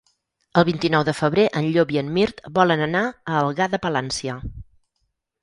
El vint-i-nou de febrer en Llop i en Mirt volen anar a Algar de Palància.